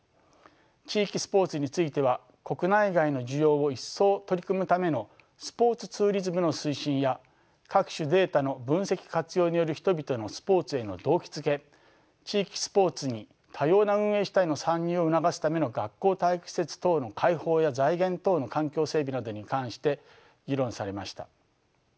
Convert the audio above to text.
地域スポーツについては国内外の需要を一層取り込むためのスポーツツーリズムの推進や各種データの分析・活用による人々のスポーツへの動機づけ地域スポーツに多様な運営主体の参入を促すための学校体育施設等の開放や財源等の環境整備などに関して議論されました。